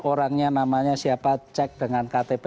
orangnya namanya siapa cek dengan ktp